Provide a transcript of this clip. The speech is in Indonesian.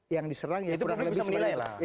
yang diserang ya itu kurang lebih sebelah